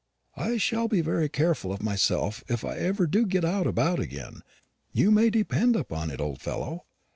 "I shall be very careful of myself if I ever do get about again, you may depend upon it, old fellow.